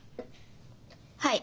はい。